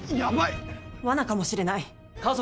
わなかもしれない。